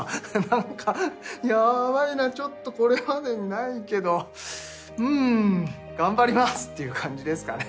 何かヤバいなちょっとこれまでにないけどうん頑張りますっていう感じですかね。